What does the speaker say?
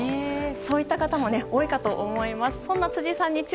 そういった方も多いと思います。